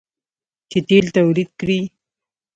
چې تیل تولید کړي.